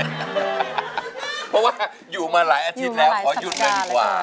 เพราะว่าอยู่มาหลายอาทิตย์แล้วขอหยุดเงินดีกว่า